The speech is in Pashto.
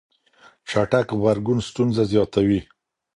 چټک غبرګون ستونزه زياتوي.